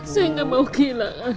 saya gak mau kehilangan al